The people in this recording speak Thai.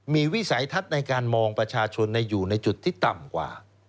มีวิสัยทัศน์ในการมองประชาชนอยู่ในจุดที่ต่ำกว่า